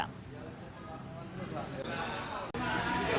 bagaimana cara mengatasi kesalahan masyarakat